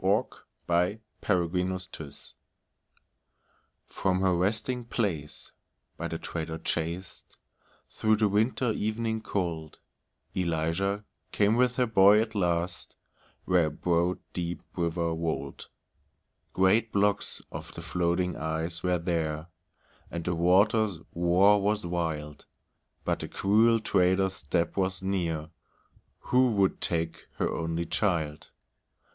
ELIZA CROSSING THE RIVER From her resting place by the trader chased, Through the winter evening cold, Eliza came with her boy at last, Where a broad deep river rolled. Great blocks of the floating ice were there, And the water's roar was wild, But the cruel trader's step was near, Who would take her only child.